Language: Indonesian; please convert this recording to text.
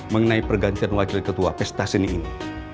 mengenai pergantian wakil ketua pesaseni ini